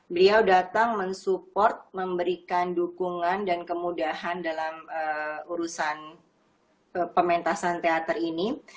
beliau datang mensupport memberikan dukungan dan kemudahan dalam urusan pementasan teater ini